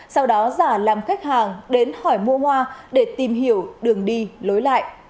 sau đó giả làm khách hàng đến hỏi mua hoa để tìm hiểu đường đi lối lại